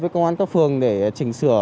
với công an các phường để chỉnh sửa